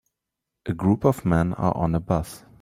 A group of men are on a bus